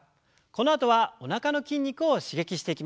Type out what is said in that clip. このあとはおなかの筋肉を刺激していきます。